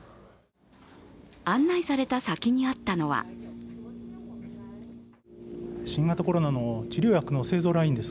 案内された先にあったのは新型コロナの治療薬の製造ラインです。